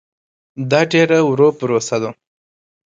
دا ډېره ورو پروسه ده.